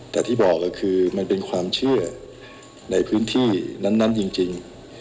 แต่ที่บอกก็คือมันเป็นความเชื่อในพื้นที่นั้นจริง